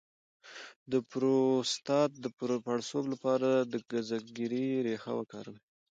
د پروستات د پړسوب لپاره د ګزګیرې ریښه وکاروئ